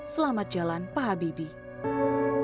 selamat jalan pak habibie